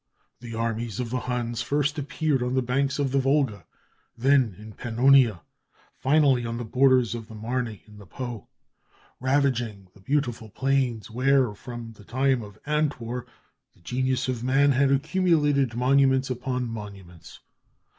The armies of the Huns first appeared on the banks of the Volga, then in Pannonia, finally on the borders of the Marne and the Po, ravaging the beautiful plains where, from the time of Antwor, the genius of man had accumulated monuments upon monuments.